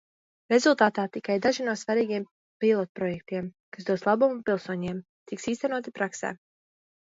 Rezultātā tikai daži no svarīgiem pilotprojektiem, kas dos labumu pilsoņiem, tiks īstenoti praksē.